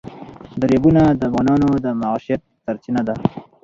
دریابونه د افغانانو د معیشت سرچینه ده.